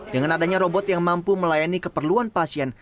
dengan adanya robot yang mampu melayani keperluan pasien